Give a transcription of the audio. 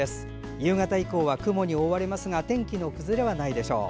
夕方以降は雲に覆われますが天気の崩れはないでしょう。